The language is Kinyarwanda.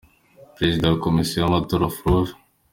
Perezida wa Komisiyo y’ amatora Prof.